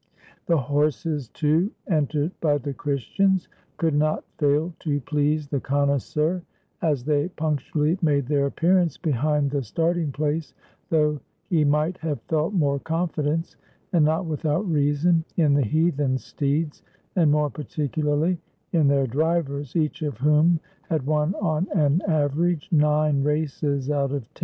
The horses, too, entered by the Christians could not fail to please the connoisseur, as they punctually made their appearance behind the starting place, though he might have felt more confidence — and not without reason — in the heathen steeds, and more particularly in their drivers, each of whom had won on an average nine races out of ten.